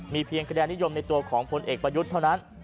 เพียงคะแนนนิยมในตัวของพลเอกประยุทธ์เท่านั้น